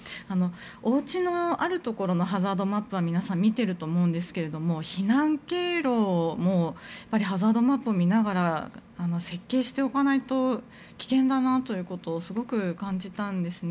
おうちのあるところのハザードマップは皆さん、見ていると思いますが避難経路もハザードマップを見ながら設計しておかないと危険だなとすごく感じたんですね。